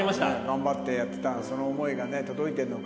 頑張ってやってたその思いがね届いてるのか。